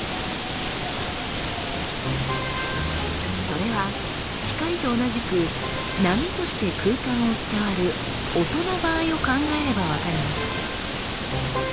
それは光と同じく波として空間を伝わる音の場合を考えれば分かります。